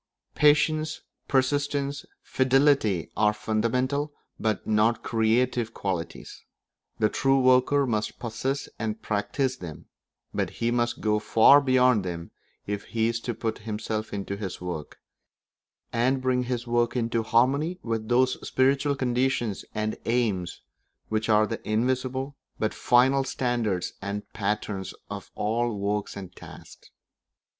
Patience, persistence, fidelity are fundamental but not creative qualities; the true worker must possess and practise them; but he must go far beyond them if he is to put himself into his work, and bring his work into harmony with those spiritual conditions and aims which are the invisible but final standards and patterns of all works and tasks.